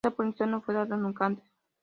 Esta oportunidad no fue dada nunca antes.